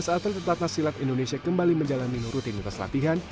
dua belas atlet pelatnas silat indonesia kembali menjalani rutinitas latihan